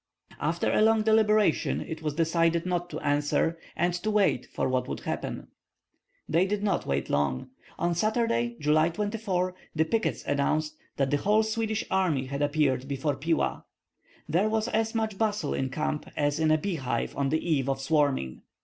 After a long deliberation it was decided not to answer, and to wait for what would happen. They did not wait long. On Saturday, July 24, the pickets announced that the whole Swedish army had appeared before Pila. There was as much bustle in camp as in a beehive on the eve of swarming.